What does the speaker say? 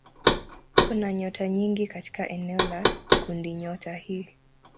Kuna nyota nyingi katika eneo la kundinyota hii.